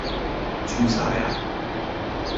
住晒呀